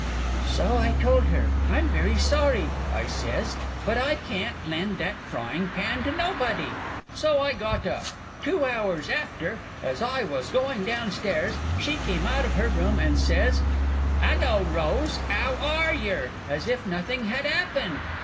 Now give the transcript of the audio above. So I told her. "I'm very sorry," I says, "but I can't lend that frying pan to nobody." So I got up. Two hours after, as I was going down stairs, she come out of her room, and says, "'Allo, Rose, 'ow are yer?" as if nothing had 'appened.